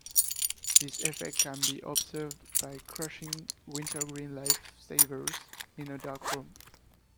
This effect can be observed by crushing wintergreen Life Savers in a dark room.